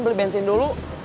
beli bensin dulu